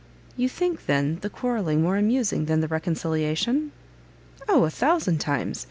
"You think, then, the quarrel more amusing than the reconciliation?" "O, a thousand times!